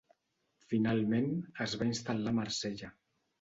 Finalment es va instal·lar a Marsella.